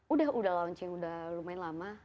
udah launching udah lumayan lama